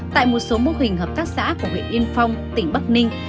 tại một số mô hình hợp tác xã của huyện yên phong tỉnh bắc ninh